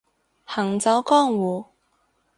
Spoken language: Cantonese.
行走江湖